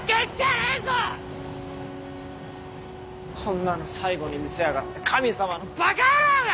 こんなの最後に見せやがって神様のバカ野郎が！